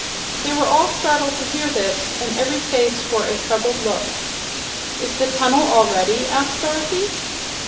They were all startled to hear this, and every face wore a troubled look. "Is the tunnel all ready?" asked Dorothy.